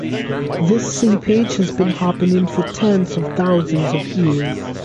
This seepage has been happening for tens of thousands of years.